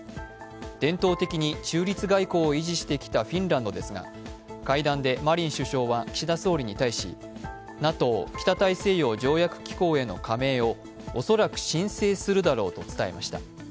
伝統的に中立外交を維持してきたフィンランドですが、会談でマリン首相は岸田総理に対しＮＡＴＯ＝北大西洋条約機構への加盟を恐らく申請するだろうと伝えました。